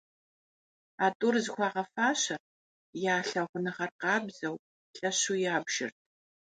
А тӏур зыхуагъэфащэрт, я лъагъуныгъэр къабзэу, лъэщу ябжырт.